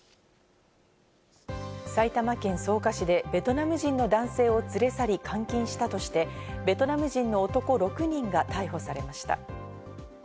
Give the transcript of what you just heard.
埼玉県草加市でベトナム人の男性を連れ去り監禁したとしてベトナム人の男６人が逮捕されました。